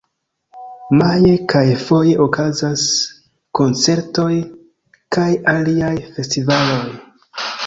Maje kaj foje okazas koncertoj kaj aliaj festivaloj.